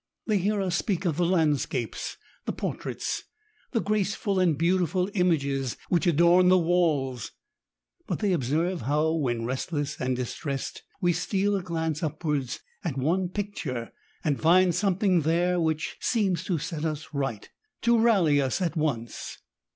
They hear ns speak of the landscapes^ the portraits^ the graceful and beautiful images which adorn the walls; but they observe how, when restless and distressed, we steal a glance upwards at one picture, and find something there which seems to set us right— to rally us at once.